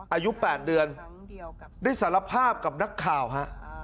อายุ๘เดือนได้สารภาพกับนักข่าวฮะ